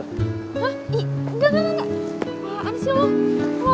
hah ih enggak enggak enggak